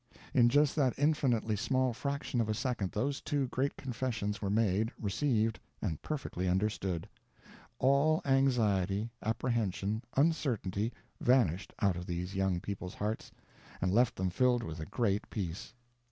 In just that infinitely small fraction of a second those two great confessions were made, received, and perfectly understood. All anxiety, apprehension, uncertainty, vanished out of these young people's hearts and left them filled with a great peace.